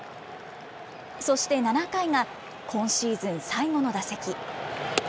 そして７回が、今シーズン最後の打席。